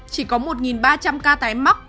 chỉ có một ba trăm linh ca tái mắc